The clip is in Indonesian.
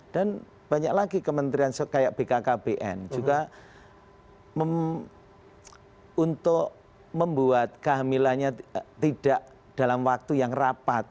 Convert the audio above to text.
dan banyak lagi kementerian kayak bkkbn juga untuk membuat kehamilannya tidak dalam waktu yang rapat